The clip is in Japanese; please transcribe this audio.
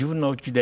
で